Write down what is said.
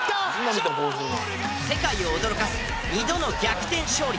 世界を驚かす２度の逆転勝利。